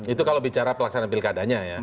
itu kalau bicara pelaksanaan pilkadanya ya